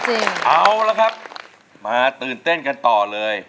เอาละครับมาตื่นเต้นกันต่อเลย